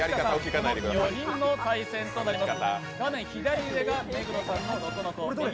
この４人の対決となります。